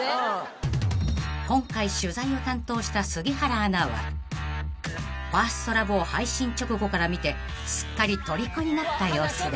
［今回取材を担当した杉原アナは『ＦｉｒｓｔＬｏｖｅ』を配信直後から見てすっかりとりこになった様子で］